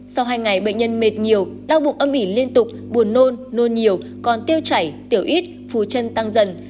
sau hai ngày bệnh nhân mệt nhiều đau bụng âm ỉ liên tục buồn nôn nôn nhiều còn tiêu chảy tiểu ít phù chân tăng dần